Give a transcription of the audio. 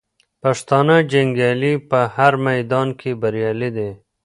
پښتانه جنګیالي په هر میدان کې بریالي دي.